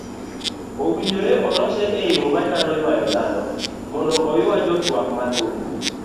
owinjore olose eyo manyalo yuayo dhano mondo oyua jotwak mathoth.